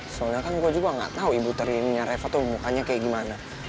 soalnya kan gue juga gak tahu ibu terinnya reva tuh mukanya kayak gimana